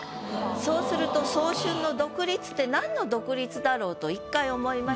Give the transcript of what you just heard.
そうすると「早春の独立」ってなんの独立だろうと１回思います。